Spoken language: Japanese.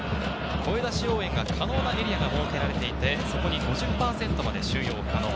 声出し応援が可能なエリアが設けられていて、そこに５０％まで収容可能。